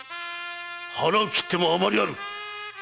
腹を切っても余りある！